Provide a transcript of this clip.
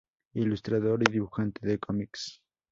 Ilustrador y dibujante de cómics.